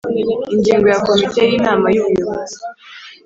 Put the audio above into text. Ingingo ya Komite y Inama y Ubuyobozi